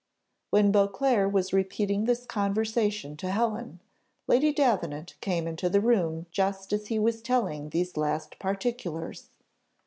When Beauclerc was repeating this conversation to Helen, Lady Davenant came into the room just as he was telling these last particulars.